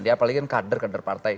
dia paling kan kader